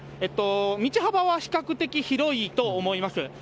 道幅は比較的広いと思います。